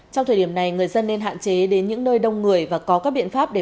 trong thời điểm này người dân nên hạn chế đến những nơi đông người và có các biện pháp để